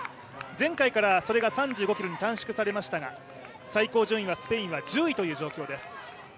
前回からそれが３５ｋｍに短縮されましたが最高順位はスペインは１０位という状況です。